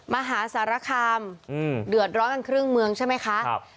มหาสารคามเดือดร้อนกันครึ่งเมืองใช่ไหมคะ